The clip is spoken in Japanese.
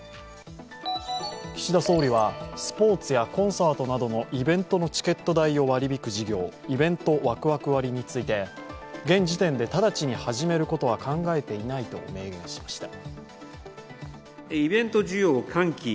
岸田総理はスポーツやコンサートなどのイベントのチケット代を割り引く事業、イベントワクワク割について現時点で直ちに始めることは考えていないと明言しました。